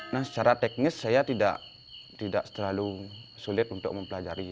nah secara teknis saya tidak terlalu sulit untuk mempelajari